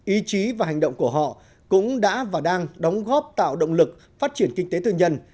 ý chí và hành động của họ cũng đã và đang đóng góp tạo động lực phát triển kinh tế tư nhân